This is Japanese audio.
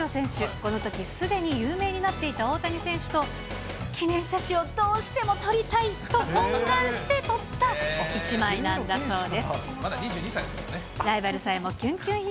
このときすでに有名になっていた大谷選手と、記念写真をどうしても撮りたいと懇願して撮った一枚なんだそうでまだ２２歳だもんね。